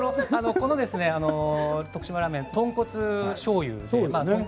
この徳島ラーメンは豚骨しょうゆです。